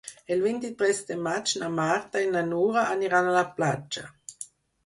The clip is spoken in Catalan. El vint-i-tres de maig na Marta i na Nura aniran a la platja.